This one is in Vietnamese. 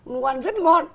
núi ăn rất ngon